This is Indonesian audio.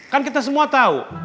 kan kita semua tahu